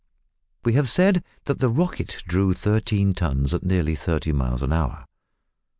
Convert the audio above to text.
We have said that the "Rocket" drew thirteen tons at nearly thirty miles an hour.